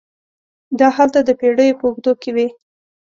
دا هلته د پېړیو په اوږدو کې وې.